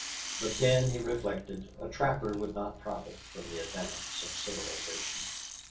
But then, he reflected, a trapper would not profit by the advance of civilization.